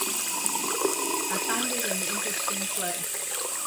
I find it an interesting play.